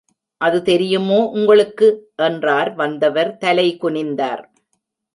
அது தெரியுமோ உங்களுக்கு? என்றார் வந்தவர் தலைகுனிந்தார்.